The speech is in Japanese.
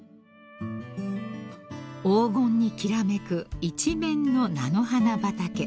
［黄金にきらめく一面の菜の花畑］